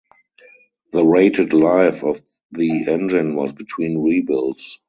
The rated life of the engine was between rebuilds.